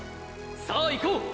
さぁいこう！！